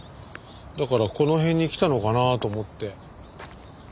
だからこの辺に来たのかなと思って。